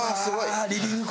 リビング？